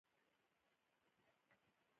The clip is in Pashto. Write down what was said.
د ښي لاس په ورغوي کې یې په سترګو سیوری وکړ.